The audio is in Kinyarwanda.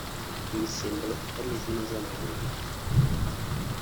imisemburo itameze neza mu mubiri